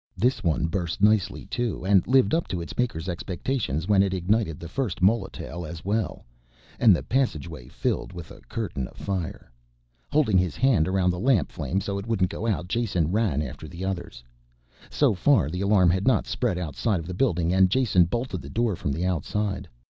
This one burst nicely too, and lived up to its maker's expectations when it ignited the first molotail as well and the passageway filled with a curtain of fire. Holding his hand around the lamp flame so it wouldn't go out, Jason ran after the others. So far the alarm had not spread outside of the building and Jason bolted the door from the outside.